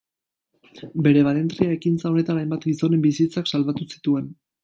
Bere balentria ekintza honetan hainbat gizonen bizitzak salbatu zituen.